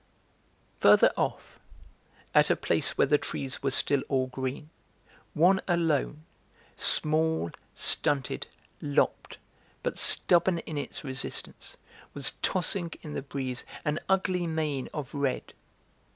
Farther off, at a place where the trees were still all green, one alone, small, stunted, lopped, but stubborn in its resistance, was tossing in the breeze an ugly mane of red.